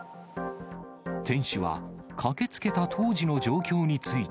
店主は駆けつけた当時の状況について。